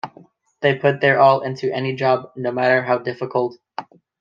They put their all into any job, no matter how difficult.